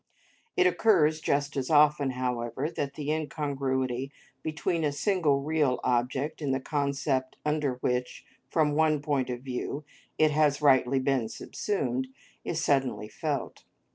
It occurs just as often, however, that the incongruity between a single real object and the concept under which, from one point of view, it has rightly been subsumed, is suddenly felt.